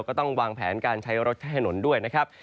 ก็ต้องวางแผนการใช้รถใช้ถนนด้วยนะครับ